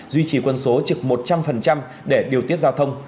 duy trì quân số trực một trăm linh để điều tiết giao thông